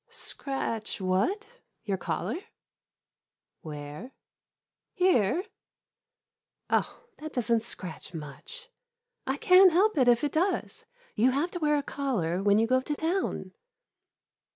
Scratch — what — your collar ? Where — here ? Oh, that does n't scratch much. I can't help it if it does — you have to wear a collar when you go to town.